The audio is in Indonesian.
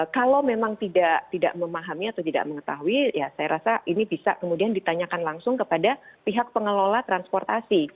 kalau memang tidak memahami atau tidak mengetahui ya saya rasa ini bisa kemudian ditanyakan langsung kepada pihak pengelola transportasi